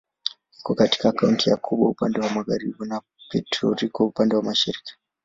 Iko kati ya Kuba upande wa magharibi na Puerto Rico upande wa mashariki.